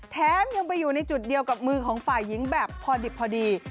แถมยังไปอยู่ในจุดเดียวกับมือของฝ่ายหญิงแบบพอดิบพอดี